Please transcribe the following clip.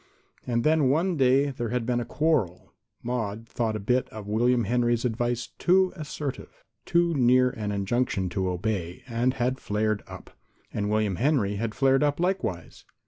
And then one day there had been a quarrel. Maude thought a bit of William Henry's advice too assertive, too near to an injunction to obey, and had flared up. And William Henry had flared up likewise.